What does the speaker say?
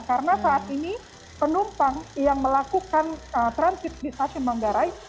karena saat ini penumpang yang melakukan eee transit di stasiun manggarai